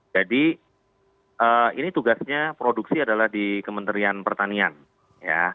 jadi ini tugasnya produksi adalah di kementerian pertanian ya